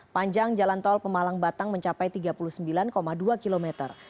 panjang jalan tol pemalang batang mencapai tiga puluh sembilan dua kilometer